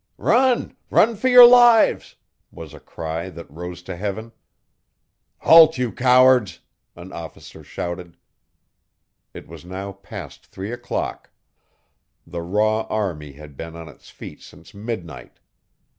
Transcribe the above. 'Run! Run for your lives!' was a cry that rose to heaven. 'Halt, you cowards!' an officer shouted. It was now past three o clock. The raw army had been on its feet since midnight.